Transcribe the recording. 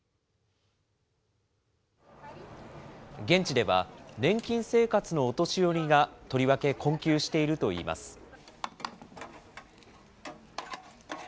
現地では、年金生活のお年寄りが、とりわけ困窮しているといいます。